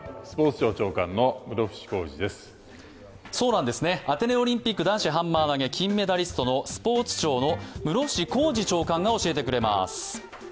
そうなんですね、アテネオリンピック男子ハンマー投げ金メダリストのスポーツ庁の室伏広治長官が教えてくれます。